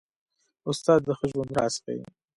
استاد د ښه ژوند راز ښيي.